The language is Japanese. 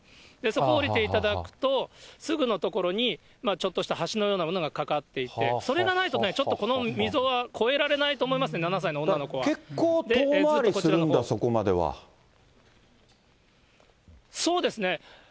そこを下りていただくと、すぐの所にちょっとした橋のようなものが架かっていて、それがないとね、ちょっとこの溝は越えられないと思いますね、７歳の女の結構遠回りするんだ、そうですね。